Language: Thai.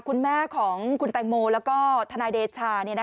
คุณแม่ของคุณแตงโมแล้วก็ทนายเดชา